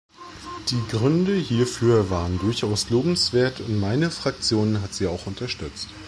Die Gründe hierfür waren durchaus lobenswert, und meine Fraktion hat sie auch unterstützt.